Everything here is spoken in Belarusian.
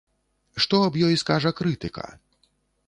Што аб ёй скажа крытыка?